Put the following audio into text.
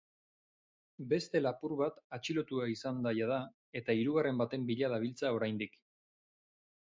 Beste lapur bat atxilotua izan da jada eta hirugarren baten bila dabiltza oraindik.